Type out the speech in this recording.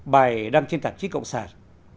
bài đăng trên tạp chí cộng sản